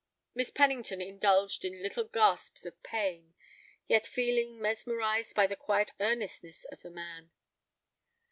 Miss Pennington indulged in little gasps of pain, yet feeling mesmerized by the quiet earnestness of the man.